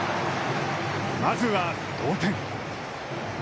まずは同点。